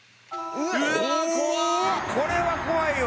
これは怖いわ。